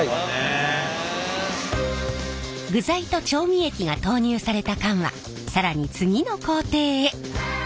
具材と調味液が投入された缶は更に次の工程へ。